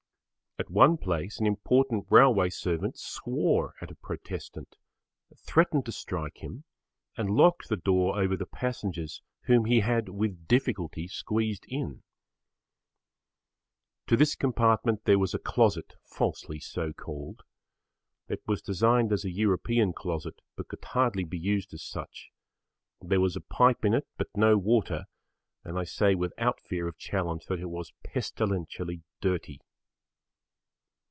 At one place an important railway servant swore at a protestant, threatened to strike him and locked the door over the passengers whom he had with difficulty squeezed in. To this compartment there was a closet falsely so called. It was designed as a European closet but could hardly be used as such. There was a pipe in it but no water, and I say without fear of challenge that it was pestilentially dirty.